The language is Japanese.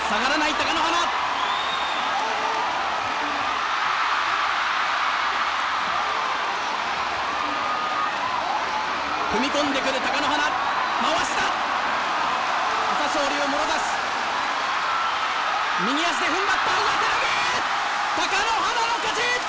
貴乃花の勝ち。